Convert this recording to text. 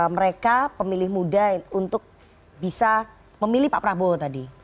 mereka pemilih muda untuk bisa memilih pak prabowo tadi